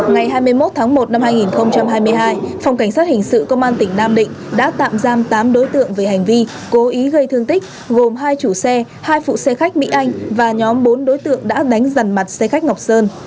ngày hai mươi một tháng một năm hai nghìn hai mươi hai phòng cảnh sát hình sự công an tỉnh nam định đã tạm giam tám đối tượng về hành vi cố ý gây thương tích gồm hai chủ xe hai phụ xe khách mỹ anh và nhóm bốn đối tượng đã đánh dần mặt xe khách ngọc sơn